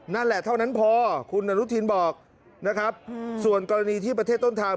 นั่นแหละเท่านั้นพอนันทินย้ำบอกส่วนกรณีที่ประเทศต้นทาง